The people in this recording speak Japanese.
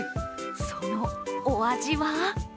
そのお味は？